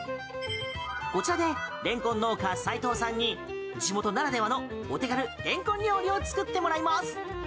こちらでレンコン農家、齊藤さんに地元ならではのお手軽レンコン料理を作ってもらいます。